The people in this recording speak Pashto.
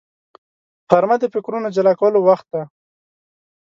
غرمه د فکرونو جلا کولو وخت دی